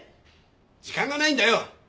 時間がないんだよ。